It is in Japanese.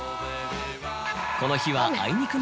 この日は。